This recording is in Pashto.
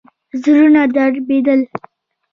زړونه دربېدل.